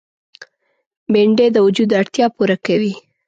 بېنډۍ د وجود اړتیا پوره کوي